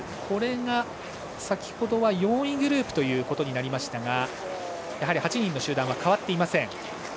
これが先ほどは４位グループでしたが８人の集団は変わっていません。